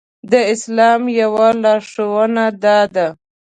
د اسلام يوه لارښوونه دا ده.